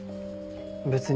別に。